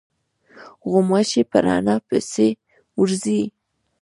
غوماشې په رڼا پسې ورځي.